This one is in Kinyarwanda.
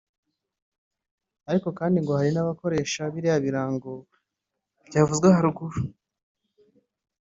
Ariko kandi ngo hari n’abakoresha biriya birango byavuzwe haruguru